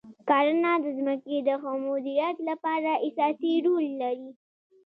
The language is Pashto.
کرنه د ځمکې د ښه مدیریت لپاره اساسي رول لري.